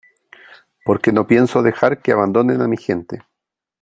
porque no pienso dejar que abandonen a mi gente .